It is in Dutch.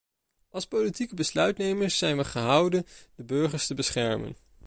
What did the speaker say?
Als politieke besluitnemers zijn we gehouden de burgers te beschermen.